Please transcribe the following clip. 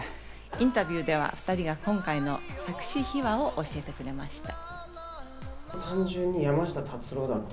インタビューでは２人が今回の作詞秘話を教えてくれました。